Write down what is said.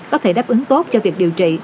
có thể đáp ứng tốt cho việc điều trị